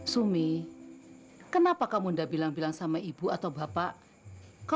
sumi itu tidak punya hubungan apa apa sama bapaknya